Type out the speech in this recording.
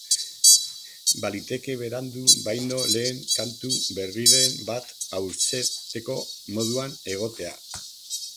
Baliteke berandu baino lehen kantu berriren bat aurkezteko moduan egotea.